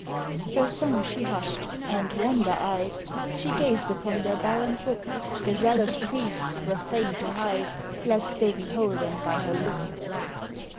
Her song she hushed and, wonder eyed, She gazed upon their bell and book; The zealous priests were fain to hide Lest they be holden by her look.